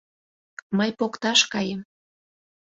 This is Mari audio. Мый покташ каем!